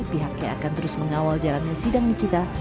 pihaknya akan terus mengawal jalannya sidang nikita